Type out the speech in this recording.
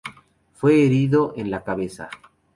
Fue herido en la cabeza.